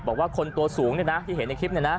ว่าคลิปว่าคนตัวสูงที่เห็นในคลิป